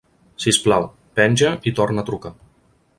Si us plau, penja i torna a trucar.